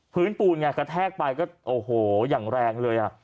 ภื้นปูนไงกาแทกไปโอโหอย่างแรงเลย